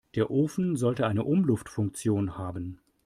Der Ofen sollte eine Umluftfunktion haben.